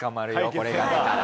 これが出たら。